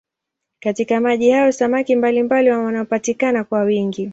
Katika maji hayo samaki mbalimbali wanapatikana kwa wingi.